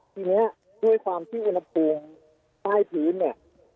ทีนี้ด้วยความที่อุณหภูมิใต้พื้นเนี่ย